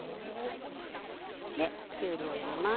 できゅうりを入れます。